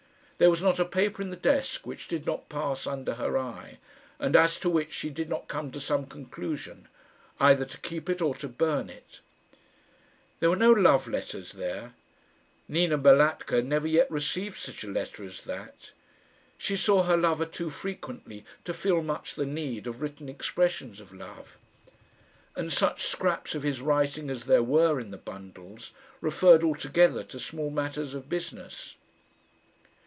There was not a paper in the desk which did not pass under her eye, and as to which she did not come to some conclusion, either to keep it or to burn it. There were no love letters there. Nina Balatka had never yet received such a letter as that. She saw her lover too frequently to feel much the need of written expressions of love; and such scraps of his writing as there were in the bundles, referred altogether to small matters of business.